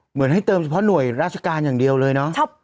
เหมือนให้เติมเฉพาะหน่วยราชการอย่างเดียวเลยเนาะ